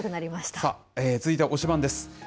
さあ、続いては推しバン！です。